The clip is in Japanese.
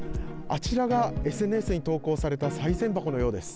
あちらが、ＳＮＳに投稿されたさい銭箱のようです。